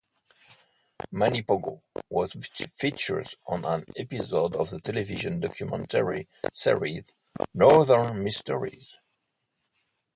Manipogo was featured on an episode of the television documentary series Northern Mysteries.